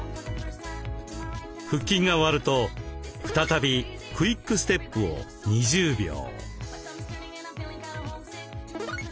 腹筋が終わると再びクイック・ステップを２０秒。